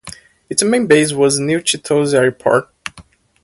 Its main base was New Chitose Airport.